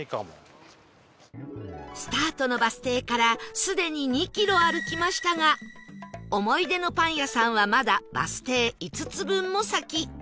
スタートのバス停からすでに２キロ歩きましたが思い出のパン屋さんはまだバス停５つ分も先